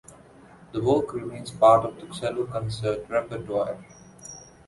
The work remains part of the cello concert repertoire.